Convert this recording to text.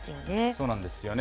そうなんですよね。